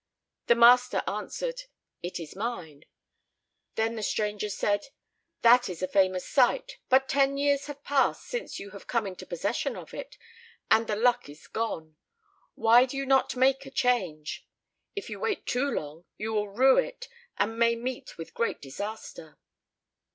The master answered, "It is mine." Then the stranger said, "That is a famous site, but ten years have passed since you have come into possession of it, and the luck is gone; why do you not make a change? If you wait too long you will rue it and may meet with great disaster."